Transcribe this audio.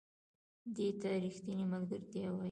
دې ته ریښتینې ملګرتیا وایي .